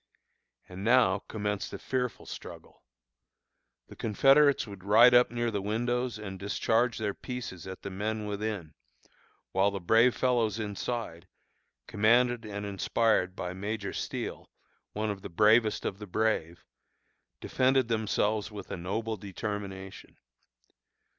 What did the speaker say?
And now commenced a fearful struggle. The Confederates would ride up near the windows and discharge their pieces at the men within, while the brave fellows inside, commanded and inspired by Major Steele, one of the bravest of the brave, defended themselves with a noble determination.